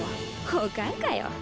おかんかよ。